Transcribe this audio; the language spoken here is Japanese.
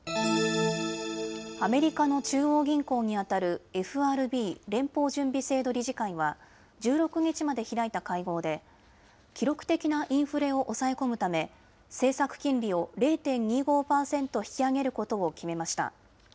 アメリカの中央銀行にあたるＦＲＢ・連邦準備制度理事会は１６日まで開いた会合で記録的なインフレを抑え込むため政策金利を０．２５％引き上げることを決めました。